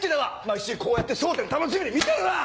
毎週こうやって『笑点』楽しみに見てるわ！